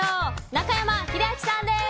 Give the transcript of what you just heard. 中山秀明さんです。